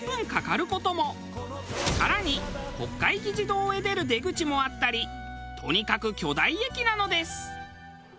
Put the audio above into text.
更に国会議事堂へ出る出口もあったりとにかく巨大駅なのです。